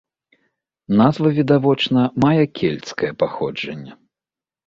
Назва, відавочна, мае кельцкае паходжанне.